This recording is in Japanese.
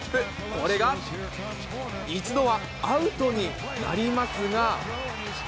これが一度はアウトになりますが。